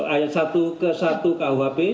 ayat satu ke satu kuhp